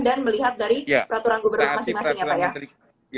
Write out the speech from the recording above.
dan melihat dari peraturan gubernur masing masing ya pak ya